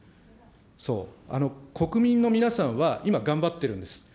そう、国民の皆さんは今、頑張ってるんです。